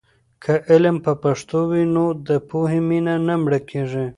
که علم په پښتو وي، نو د پوهې مینه نه مړه کېږي.